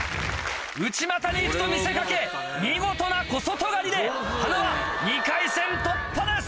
内股にいくと見せかけ見事な小外刈で塙２回戦突破です。